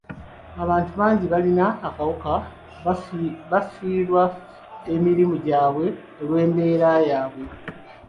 Abantu bangi abalina akawuka bafiirwa emirimu gyabwe olw'embeera yaabwe.